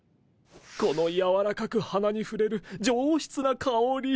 この柔らかく鼻に触れる上質な香り。